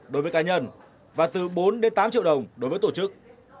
đối với cá nhân và từ bốn đến tám triệu đồng đối với tổ chức